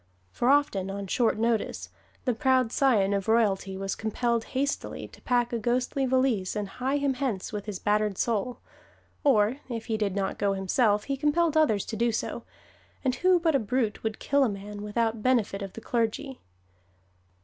For often, on short notice, the proud scion of royalty was compelled hastily to pack a ghostly valise and his him hence with his battered soul; or if he did not go himself he compelled others to do so, and who but a brute would kill a man without benefit of the clergy!